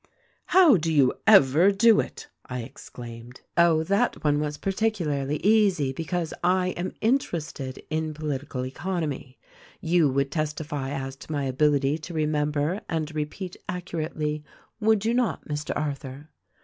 " 'How do you ever do it!' I exclaimed. " 'Oh, that one was particularly easy, because I am in terested in political economy. You would testify as to my THE RECORDING ANGEL 221 ability to remember and repeat accurately, would you not, Mr. Arthur?'